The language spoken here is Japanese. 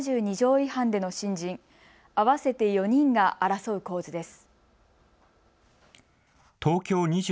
違反での新人、合わせて４人が争う構図です。